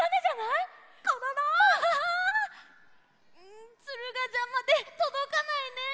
んツルがじゃまでとどかないね。